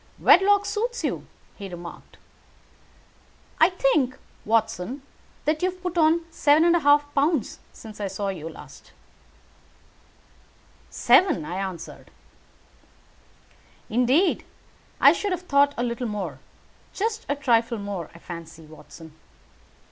"Wedlock suits you," he remarked. "I think Watson, that you have put on seven and a half pounds since I saw you." "Seven," I answered. "Indeed, I should have thought a little more. Just a trifle more, I fancy, Watson.